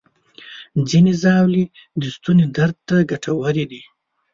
ځینې ژاولې د ستوني درد ته ګټورې دي.